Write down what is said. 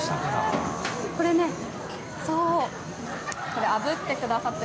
これ、あぶってくださって。